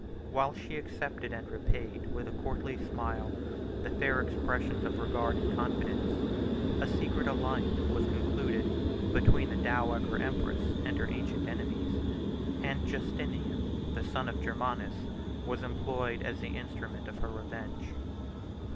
While she accepted, and repaid with a courtly smile, the fair expressions of regard and confidence, a secret alliance was concluded between the dowager empress and her ancient enemies; and Justinian, the son of Germanus, was employed as the instrument of her revenge.